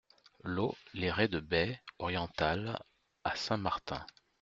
LOT LES RES DE BAIE ORIENTALE à Saint Martin